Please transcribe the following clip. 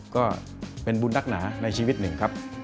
ก็เป็นบุญนักหนาในชีวิตหนึ่งครับ